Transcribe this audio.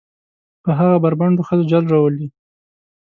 په هغه بربنډو ښځو جال روالي.